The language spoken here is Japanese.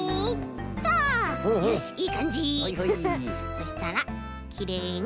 そしたらきれいにふく。